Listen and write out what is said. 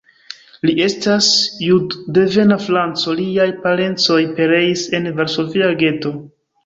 Li estas jud-devena franco, liaj parencoj pereis en Varsovia geto.